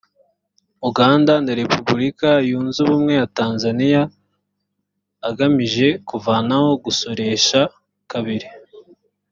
uganda na repubulika yunze ubumwe ya tanzaniya agamije kuvanaho gusoresha kabiri